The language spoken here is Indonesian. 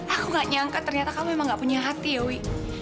aku gak nyangka ternyata kamu memang gak punya hati ya wi